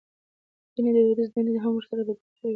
ځينې دوديزې دندې هم ورسره بدلې شوې دي.